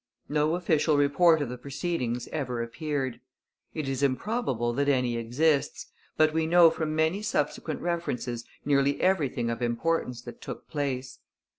No official report of the proceedings ever appeared. It is improbable that any exists, but we know from many subsequent references nearly everything of importance that took place.